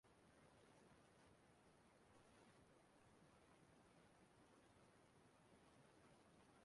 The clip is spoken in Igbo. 'rohypnol' na ndị ọzọ wee na-emepụta achịcha bekee